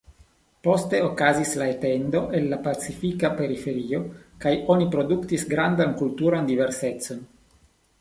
Poste okazis la etendo al la pacifika periferio kaj oni produktis grandan kulturan diversecon.